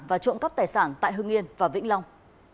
và trộm cắp tài sản tại hưng yên và vĩnh long